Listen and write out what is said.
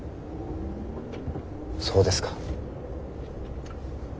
そうですか。